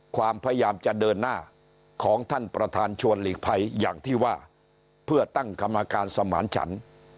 ความพยายามจะเดินหน้าของท่านประธานชวนหลีกภัยอย่างที่ว่าเพื่อตั้งกรรมการสมานฉัน